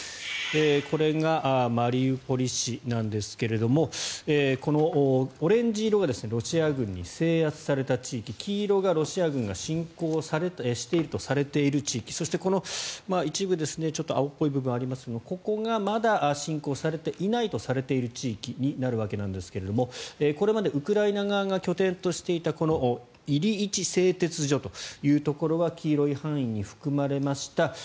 これがマリウポリ市なんですがこのオレンジ色がロシア軍に制圧された地域黄色がロシア軍が侵攻しているとされている地域そしてこの一部、青っぽい部分がありますがここがまだ侵攻されていないとされている地域になるわけなんですがこれまでウクライナ側が拠点としていたイリイチ製鉄所というところは黄色い範囲に含まれました。